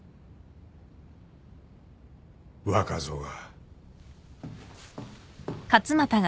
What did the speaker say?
若造が。